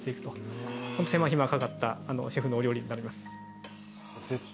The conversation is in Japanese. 手間暇かかったシェフのお料理になります。